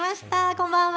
こんばんは。